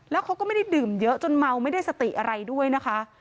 แล้วเขาก็ไม่ได้ดื่มเยอะจนเมาไม่ได้สติอะไรด้วยนะคะ